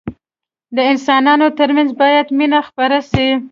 د انسانانو ترمنځ باید مينه خپره سي.